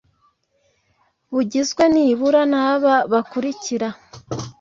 bugizwe nibura n aba bakurikira